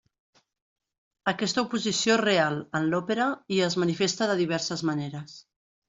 Aquesta oposició és real en l'òpera i es manifesta de diverses maneres.